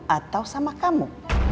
atau sama kamu